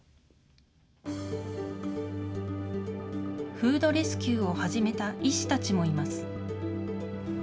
フードレスキューを始めた医師たちもいます。